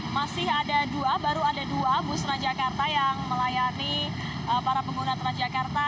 masih ada dua baru ada dua bus transjakarta yang melayani para pengguna transjakarta